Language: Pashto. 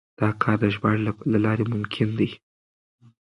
دا کار د ژباړې له لارې ممکن دی.